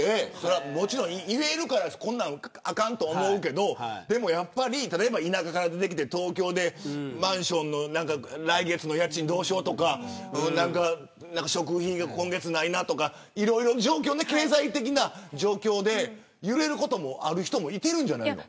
もちろん言えるからこんなんあかんと思うけど例えば田舎から出てきて東京でマンションの来月の家賃どうしようとか食費が今月ないなとか経済的な状況で揺れることもある人もいてるんじゃないの。